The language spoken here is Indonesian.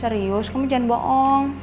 serius kamu jangan bohong